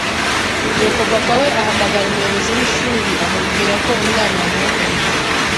nuko Papa we ahamagara umuyobozi w’ishuri amubwira ko umwana yamwohereje,